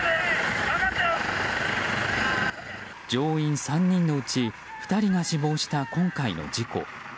乗員３人のうち２人が死亡した今回の事故。